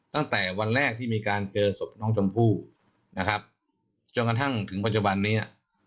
ตั้งแต่วันแรกที่มีการเจอศพน้องชมพู่นะครับจนกระทั่งถึงปัจจุบันนี้